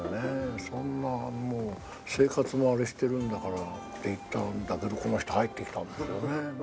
そんなもう生活もあれしてるんだからって言ったんだけどこの人入ってきたんですよね。